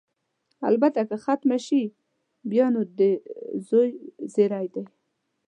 البته که ختمه شي، بیا نو د زوی زېری دی.